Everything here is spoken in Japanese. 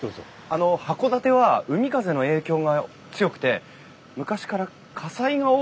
あの函館は海風の影響が強くて昔から火災が多かったから。